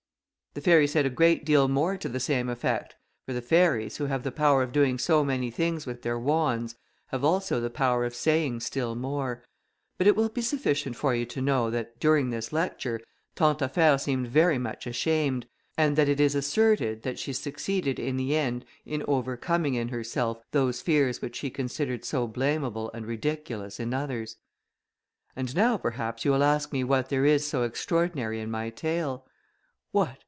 The fairy said a great deal more to the same effect, for the fairies, who have the power of doing so many things with their wands, have also the power of saying still more; but it will be sufficient for you to know, that during this lecture, Tantaffaire seemed very much ashamed, and that it is asserted, that she succeeded, in the end, in overcoming in herself, those fears which she considered so blamable and ridiculous in others. And now, perhaps, you will ask me what there is so extraordinary in my tale? What!